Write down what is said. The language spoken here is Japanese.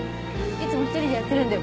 いつも１人でやってるんで。